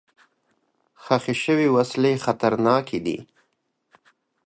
ښخ شوي وسلې خطرناکې دي.